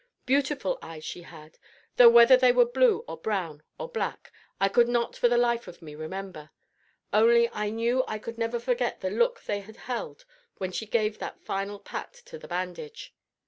Beautiful eyes she had, though whether they were blue or brown or black, I could not for the life of me remember; only I knew I could never forget the look they had held when she gave that final pat to the bandage.